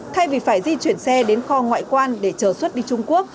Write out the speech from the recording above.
thay vì phải di chuyển xe đến kho ngoại quan để chờ xuất đi trung quốc